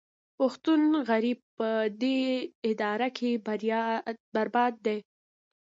پښتون غریب په دې اداره کې برباد دی